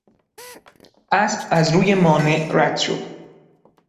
اسب از روی مانع رد شد.